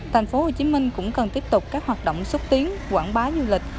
thành phố hồ chí minh cũng cần tiếp tục các hoạt động xúc tiến quảng bá du lịch